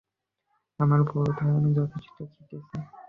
আমার বোধ হয়, আমি যথেষ্ট খেটেছি।